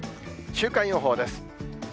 週間予報です。